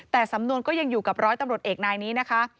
แต่สำนวนก็ยังอยู่กับร้อยตำรวจเอกนายนี้นะคะ